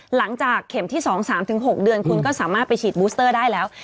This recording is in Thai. หลังจากเข็มที่๒๓๖เดือนคุณก็สามารถไปฉีดบูสเตอร์ได้แล้ว